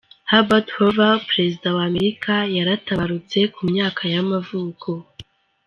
Herbert Hoover, perezida wa wa Amerika yaratabarutse ku myaka y’amavuko.